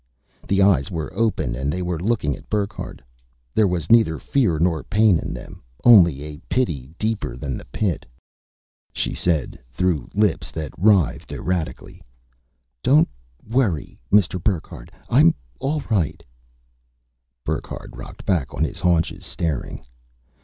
The eyes were open and they were looking at Burckhardt. There was neither fear nor pain in them, only a pity deeper than the Pit. She said, through lips that writhed erratically, "Don't worry, Mr. Burckhardt. I'm all right." Burckhardt rocked back on his haunches, staring.